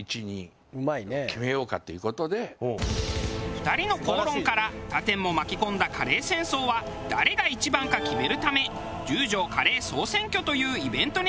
２人の口論から他店も巻き込んだカレー戦争は誰が一番か決めるため十条カレー総選挙というイベントに発展。